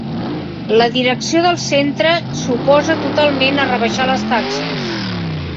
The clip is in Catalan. La direcció del centre s'oposa totalment a rebaixar les taxes.